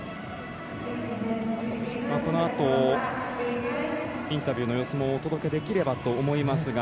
このあと、インタビューの様子もお届けできればと思いますが。